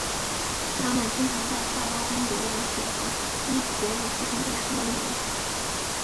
他们经常在萨拉班德舞曲和基格舞曲中增加新的内容。